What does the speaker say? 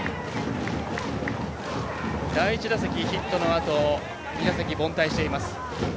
第１打席、ヒットのあと２打席、凡退しています。